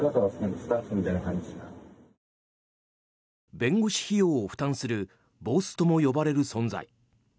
弁護士費用を負担するボスとも呼ばれる存在。